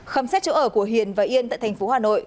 khám xét chỗ ở của hiền và yên tại thành phố hà nội